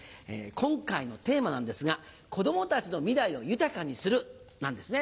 今回のテーマなんですが「子供たちの未来を豊かにする」なんですね。